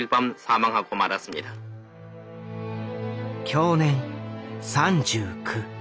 享年３９。